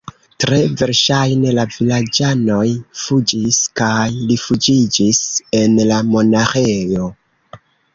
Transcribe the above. Tre verŝajne la vilaĝanoj fuĝis kaj rifuĝiĝis en la monaĥejo.